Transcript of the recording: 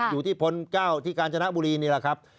อยู่ที่พล๙ที่กาญจนบุรีนี่ล่ะครับ